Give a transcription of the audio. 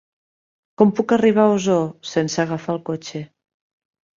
Com puc arribar a Osor sense agafar el cotxe?